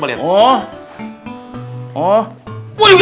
masuk masuk masuk